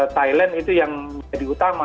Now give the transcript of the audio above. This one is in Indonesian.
thailand itu yang menjadi utama